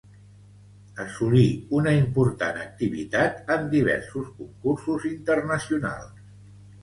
Assolí una important activitat en diversos concursos internacionals.